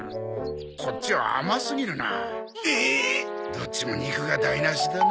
どっちも肉が台無しだな。